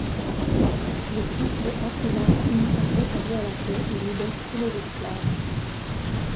Le fils de Hakoula finit par rétablir la paix et libère tous les esclaves.